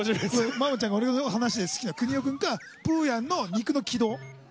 マモちゃんが俺との話で好きな「くにおくん」か『プーヤン』の肉の軌道。